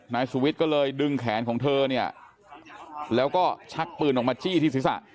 นายสุวิทย์ก็เลยดึงแขนของเธอเนี่ยแล้วก็ชักปืนออกมาจี้ที่ศีรษะ